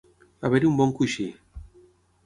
Haver-hi un bon coixí.